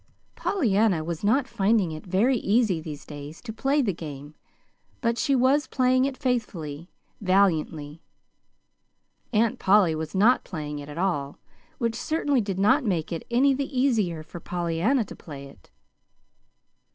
Pollyanna was not finding it very easy these days to play the game, but she was playing it faithfully, valiantly. Aunt Polly was not playing it at all which certainly did not make it any the easier for Pollyanna to play it.